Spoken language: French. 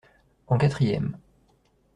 En quatrième.